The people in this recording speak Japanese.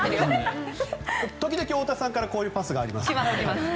時々、太田さんからこういうパスがあります。